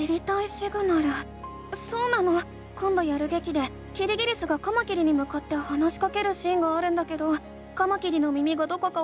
そうなのこんどやるげきでキリギリスがカマキリにむかって話しかけるシーンがあるんだけどカマキリの耳がどこかわからないから知りたいの。